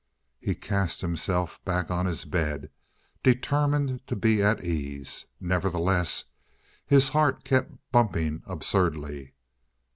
He cast himself back on his bed, determined to be at ease. Nevertheless, his heart kept bumping absurdly.